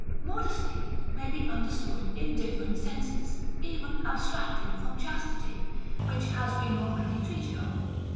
Modesty may be understood in different senses, even abstracted from chastity, which has been already treated of.